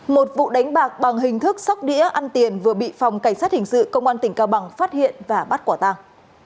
một vụ đánh bạc bằng hình thức sóc đĩa ăn tiền vừa bị phòng cảnh sát hình sự công an tỉnh cao bằng phát hiện và bắt quả tàng